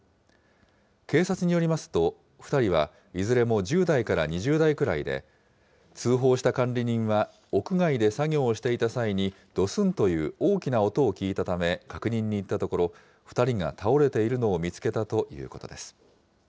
警察によりますと、２人はいずれも１０代から２０代くらいで、通報した管理人は、屋外で作業をしていた際に、どすんという大きな音を聞いたため、確認に行ったところ、２人が倒れているのを見つけたということです。